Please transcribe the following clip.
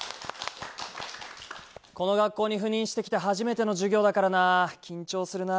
この学校に赴任してきて初めての授業だからな緊張するな。